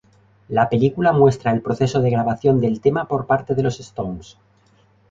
La película muestra el proceso de grabación del tema por parte de los Stones.